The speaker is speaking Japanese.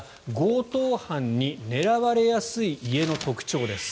強盗犯に狙われやすい家の特徴です。